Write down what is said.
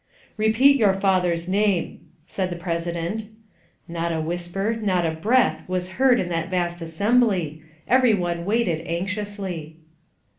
"Repeat your father's name," said the president. Not a whisper, not a breath, was heard in that vast assembly; everyone waited anxiously.